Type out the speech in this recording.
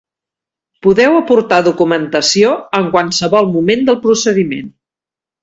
Podeu aportar documentació en qualsevol moment del procediment.